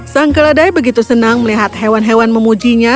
sang keledai begitu senang melihat hewan hewan memujinya